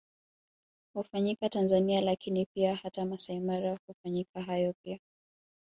Hufanyika Tanzania lakini pia hata Maasai Mara hufanyika hayo pia